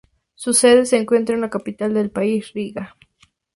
Su sede se encuentra en la capital del país Riga.